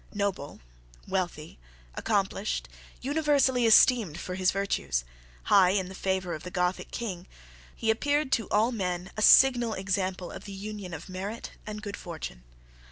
Noble, wealthy, accomplished, universally esteemed for his virtues, high in the favour of the Gothic King, he appeared to all men a signal example of the union of merit and good fortune.